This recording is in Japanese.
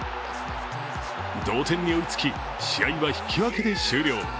同点に追いつき試合は引き分けで終了。